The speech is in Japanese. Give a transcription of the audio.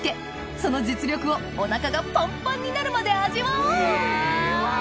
その実力をお腹がパンパンになるまで味わおうわぁ。